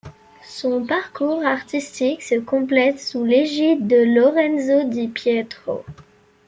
Son parcours artistique se complète sous l'égide de Lorenzo di Pietro.